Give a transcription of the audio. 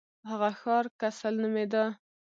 هغه ښار کسل نومیده.